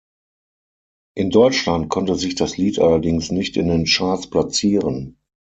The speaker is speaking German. In Deutschland konnte sich das Lied allerdings nicht in den Charts platzieren.